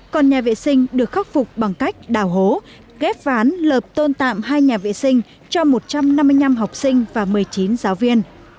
còn nhà vệ sinh được khắc phục bằng cách đào hố ghép ván lợp tôn tạm hai nhà vệ sinh cho một trăm năm mươi năm học sinh và một mươi chín giáo viên